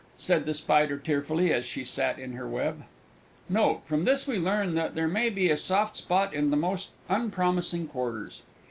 said the Spider tearfully, as she sat in her web. Note. From this we learn that there may be a soft spot in the most unpromising quarters.